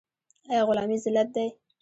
آیا غلامي ذلت دی؟